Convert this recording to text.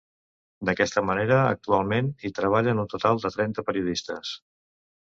D'aquesta manera, actualment hi treballen un total de trenta periodistes.